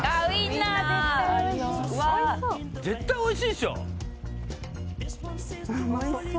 絶対おいしいっしょ？